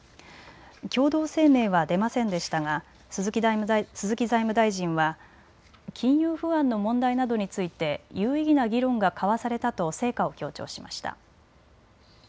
共同声明は出ませんでしたが鈴木財務大臣は金融不安の問題などについて有意義な議論が交わされたと成果を強調しました。